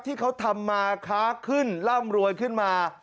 ที่เขาทำมาค้าขึ้นร่ำรวยขึ้นมา